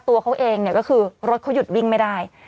ตัวเขาเองเนี่ยก็คือรถเขาหยุดวิ่งไม่ได้